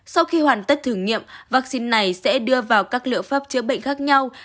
sau khi hoàn tất thử nghiệm vaccine này sẽ đưa vào các liệu pháp chữa bệnh khác nhau